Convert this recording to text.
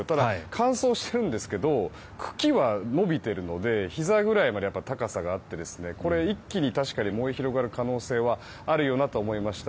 乾燥しているけど茎は伸びているのでひざぐらいまで高さがあって一気に燃え広がる可能性はあるかなと思いました。